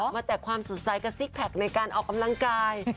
แจกความสดใสกับซิกแพคในการออกกำลังกาย